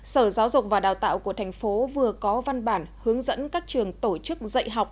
sở giáo dục và đào tạo của thành phố vừa có văn bản hướng dẫn các trường tổ chức dạy học